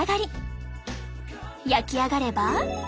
焼き上がれば。